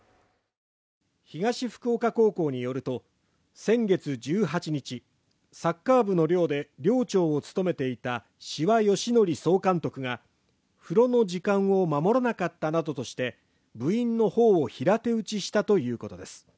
東福岡高校によると、先月１８日、サッカー部の寮で寮長を務めていた志波芳則総監督が風呂の時間を守らなかったなどとして、部員の方を平手打ちしたということです。